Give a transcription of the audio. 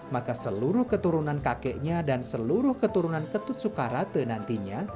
maka seluruh keturunan kakeknya dan seluruh keturunan ketut sukarate nantinya